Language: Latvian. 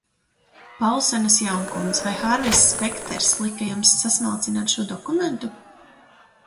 Paulsenas jaunkundz, vai Hārvijs Spekters lika jums sasmalcināt šo dokumentu?